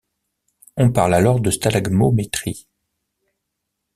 On parle alors de stalagmométrie.